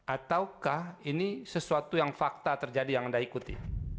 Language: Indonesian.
ataukah ini sesuatu yang fakta terjadi yang anda ikuti